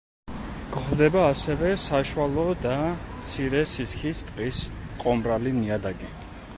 გვხვდება ასევე საშუალო და მცირე სისქის ტყის ყომრალი ნიადაგი.